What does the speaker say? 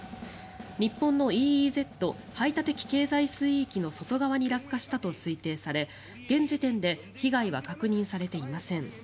日本のＥＥＺ・排他的経済水域の外側に落下したと推定され現時点で被害は確認されていません。